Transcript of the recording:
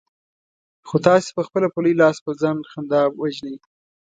خو تاسې پخپله په لوی لاس په ځان خندا وژنئ.